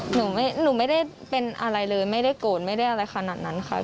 หนูไม่ได้เป็นอะไรเลยไม่ได้โกรธไม่ได้อะไรขนาดนั้นค่ะ